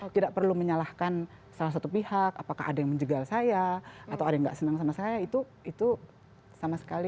tidak perlu menyalahkan salah satu pihak apakah ada yang menjegal saya atau ada yang nggak senang sama saya itu itu sama sekali